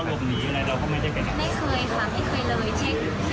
ไม่เคยค่ะไม่เคยเลยเช็กข้อวัดได้